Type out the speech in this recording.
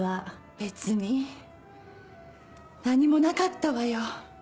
別に何もなかったわよ。